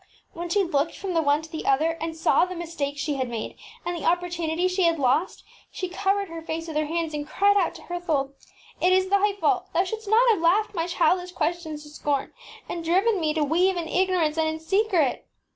When she looked from the one to the other and saw the mistake she had made and the oppor tunity she had lost, she covered her face with her hands and cried out to Herthold, ŌĆśIt is thy fault. Thou shouldst not have laughed my childish ques tions to scorn, and driven me to weave in ignorance and in secret.